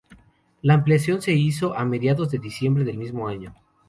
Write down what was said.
La ampliación se hizo a medios de diciembre del mismo año.